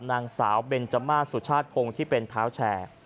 นางสาวเบนจมาสสุชาติพงศ์ที่เป็นเท้าแชร์